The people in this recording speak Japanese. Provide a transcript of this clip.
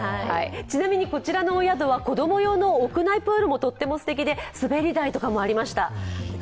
ちなみに、こちらのお宿は子供用の屋内プールもとってもすてきで、滑り台とかもありました。